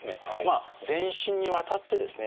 全身にわたってですね